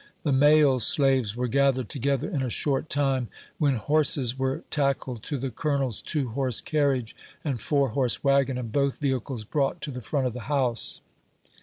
The male slaves were gathered together in a short time, when horses were tackled to the Colonel's two horse carriage and four horse wagon, and both vehicles brought to the front of the house.